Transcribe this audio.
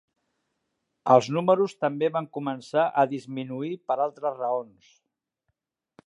Els números també van començar a disminuir per altres raons.